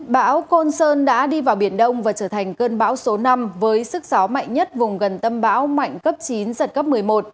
bão côn sơn đã đi vào biển đông và trở thành cơn bão số năm với sức gió mạnh nhất vùng gần tâm bão mạnh cấp chín giật cấp một mươi một